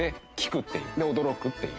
で驚くっていう。